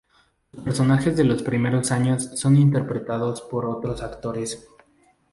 Los personajes de los primeros años son interpretados por otros actores.